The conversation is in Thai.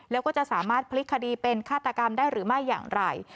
แล้วก็จะสามารถพลิกคดีเป็นฆาตกรรมได้หรือไม่อย่างไร